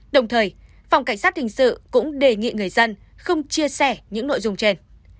đồng thời phòng cảnh sát hình sự cũng đề nghị người dân không chia sẻ những nội dung trên